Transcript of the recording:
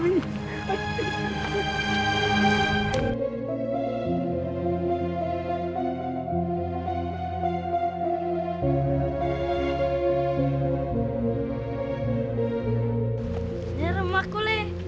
ini rumahku le